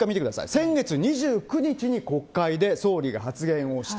先月２９日に、国会で総理が発言をした。